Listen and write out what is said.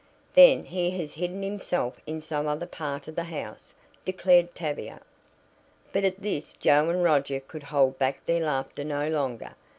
"Then he has hidden himself in some other part of the house," declared Tavia. But at this Joe and Roger could hold back their laughter no longer.